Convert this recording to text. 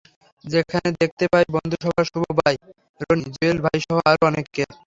যেখানে দেখতে পাই বন্ধুসভার শুভ ভাই, রনি, জুয়েল ভাইসহ আরও অনেককে।